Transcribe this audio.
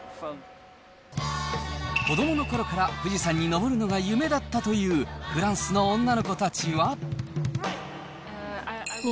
子どものころから富士山に登るのが夢だったというフランスの女の子たちは。